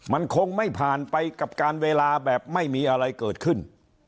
มันคงไม่ผ่านไปกับการเวลาแบบไม่มีอะไรเกิดขึ้น